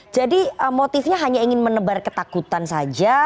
jadi motifnya hanya ingin menebar ketakutan saja